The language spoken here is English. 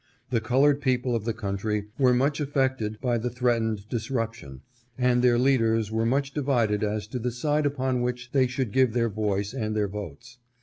The colored people of the country were much affected by the threatened disrup tion, and their leaders were much divided as to the side upon which they should give their voice and their votes.